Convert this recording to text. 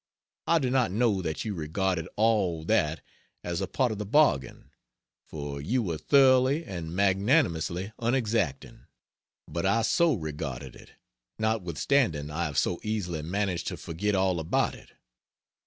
I do not know that you regarded all that as a part of the bargain for you were thoroughly and magnanimously unexacting but I so regarded it, notwithstanding I have so easily managed to forget all about it.